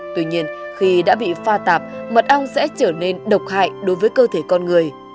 tuy nhiên khi đã bị pha tạp mật ong sẽ trở nên độc hại đối với cơ thể con người